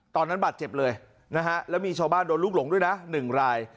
ตอนนั้นบาดเจ็บเลยนะฮะแล้วมีชาวบ้านโดนลูกหลงด้วยนะ๑ราย